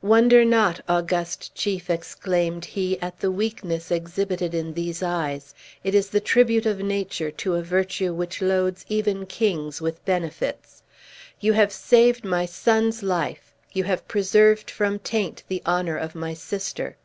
"Wonder not, august chief," exclaimed he, "at the weakness exhibited in these eyes! It is the tribute of nature to a virtue which loads even kings with benefits. You have saved my son's life; you have preserved from taint the honor of my sister!"